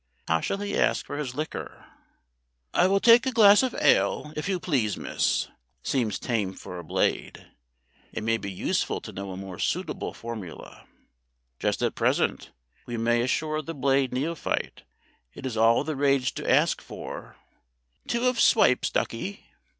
How shall he ask for his liquor? "I will take a glass of ale, if you please, Miss," seems tame for a Blade. It may be useful to know a more suitable formula. Just at present, we may assure the Blade neophyte, it is all the rage to ask for "Two of swipes, ducky."